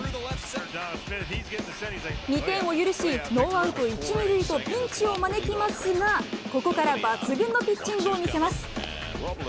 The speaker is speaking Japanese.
２点を許し、ノーアウト１、２塁とピンチを招きますが、ここから抜群のピッチングを見せます。